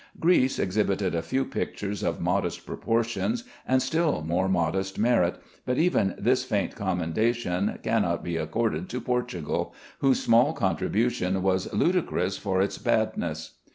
Greece exhibited a few pictures of modest proportions, and still more modest merit; but even this faint commendation cannot be accorded to Portugal, whose small contribution was ludicrous for its badness.